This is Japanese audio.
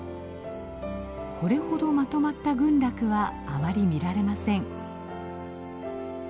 これほどまとまった群落はあまり見られません。